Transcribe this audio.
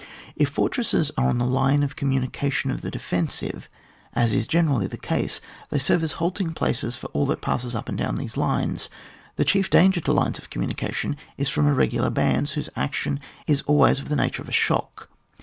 If fortresses are on the line of communication of the defensive, as is generally the case, they serve as halting places for all that passes up and down these lines. The chief danger to lines of communication is from irre* gular bands, whose action is always of the nature of a shock.